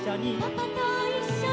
「パパといっしょに」